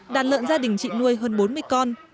đàn lợn gia đình chị nuôi hơn bốn mươi con